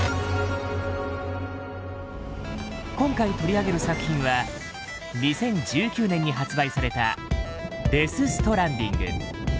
今回取り上げる作品は２０１９年に発売された「デス・ストランディング」。